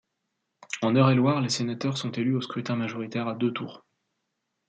En Eure-et-Loir, les sénateurs sont élus au scrutin majoritaire à deux tours.